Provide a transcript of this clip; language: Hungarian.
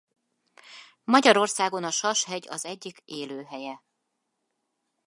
Magyarországon a Sas-hegy az egyik élőhelye.